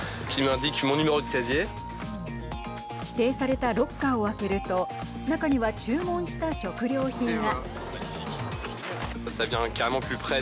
指定されたロッカーを開けると中には注文した食料品が。